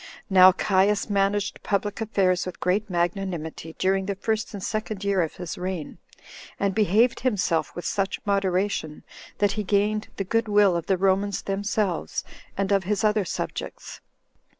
Now Caius managed public affairs with great magnanimity during the first and second year of his reign, and behaved himself with such moderation, that he gained the good will of the Romans themselves, and of his other subjects.